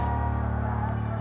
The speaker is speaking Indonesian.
masya allah bu